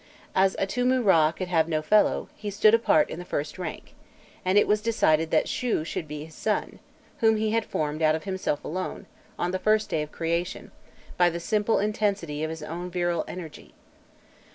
As Atûmû Râ could have no fellow, he stood apart in the first rank, and it was decided that Shû should be his son, whom he had formed out of himself alone, on the first day of creation, by the simple intensity of his own virile energy.